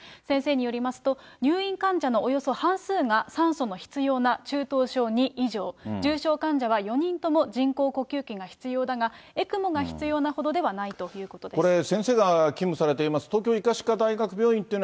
先生によりますと、入院患者のおよそ半数が酸素の必要な中等症２以上、重症患者は４人とも人工呼吸器が必要だが、ＥＣＭＯが必要なほどではないということです。